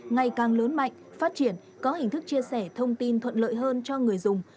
ngày càng lớn mạnh phát triển có hình thức chia sẻ thông tin thuận lợi hơn cho người dùng